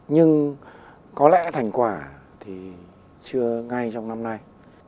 nhưng có lẽ thành quả thì chưa ngay trong năm nay